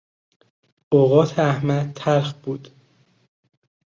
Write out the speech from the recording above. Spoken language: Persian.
اوقات احمد تلخ بود.